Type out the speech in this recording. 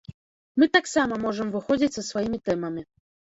Мы таксама можам выходзіць са сваімі тэмамі.